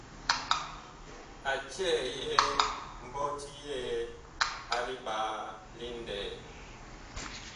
A cɛyɛɛ mbɔti yɛɛ a liɓaalí ŋlɛɛ.